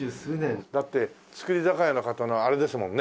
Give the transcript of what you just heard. だって造り酒屋の方のあれですもんね